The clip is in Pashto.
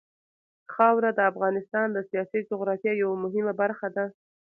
خاوره د افغانستان د سیاسي جغرافیه یوه مهمه برخه ده.